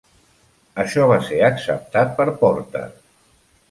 Això va ser acceptat per Porter.